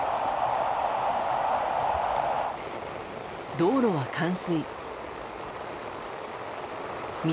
道路は冠水。